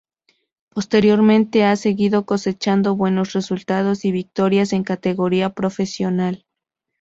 Posteriormente ha seguido cosechando buenos resultados y victorias en categoría profesional.